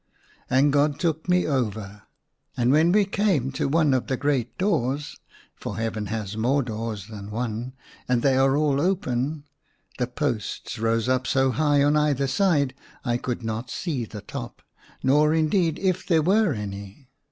And God took me over. And when we came to one of the great doors — for Heaven has more doors than one, and ACROSS MY BED. i6i they are all open — the posts rose up so high on either side I could not see the top, nor indeed if there were any.